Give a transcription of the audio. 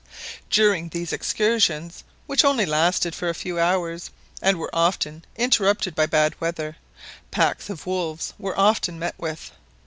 During these excursions, which only lasted for a few hours, and were often interrupted by bad weather, packs of wolves were often met with.